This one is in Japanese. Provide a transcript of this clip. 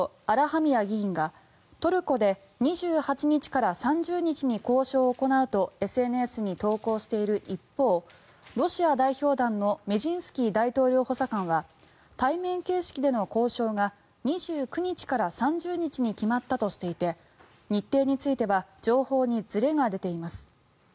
アラハミア議員がトルコで２８日から３０日に交渉を行うとＳＮＳに投稿している一方ロシア代表団のメジンスキー大統領補佐官は対面形式での交渉が２９日から３０日に決まったとしていて日程については情報にずれが出ています。